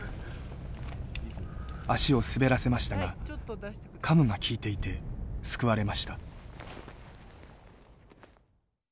足を滑らせましたがカムがきいていて救われました。